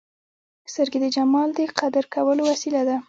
سترګې د جمال د قدر کولو وسیله ده